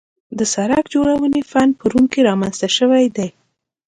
د سړک جوړونې فن په روم کې رامنځته شوی دی